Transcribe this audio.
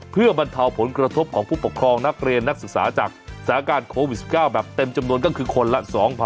เพื่อบรรเทาผลกระทบของผู้ปกครองนักเรียนนักศึกษาจากสถานการณ์โควิด๑๙แบบเต็มจำนวนก็คือคนละ๒๐๐๐